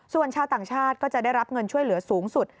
ส่วนชาวต่างชาติก็จะได้รับเงินช่วยเหลือสูงสุด